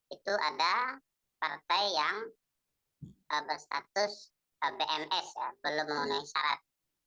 itu ada partai yang berstatus bms belum menggunakan syarat